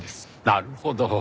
なるほど。